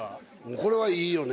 これはいいよね。